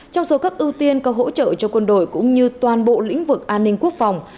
trong số các ưu tiên có hỗ trợ cho quân đội cũng như toàn bộ lĩnh vực an ninh quốc phòng